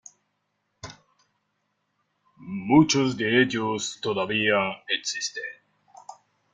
Muchos de ellos todavía existen.